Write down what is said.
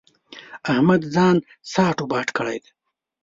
احمد ځان ساټ و باټ کړی دی.